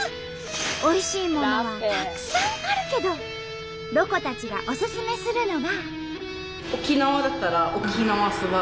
おいしいものはたくさんあるけどロコたちがおすすめするのが。